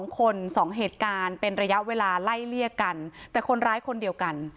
๒คน๒เหตุการณ์เป็นระยะเวลาไล่เลี่ยกันแต่คนร้ายคนเดียวกัน